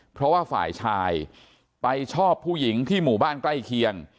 เพราะว่าฝ่ายชายไปชอบผู้หญิงที่หมู่บ้านใกล้เคียง